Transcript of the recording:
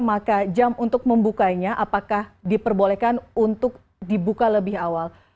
maka jam untuk membukanya apakah diperbolehkan untuk dibuka lebih awal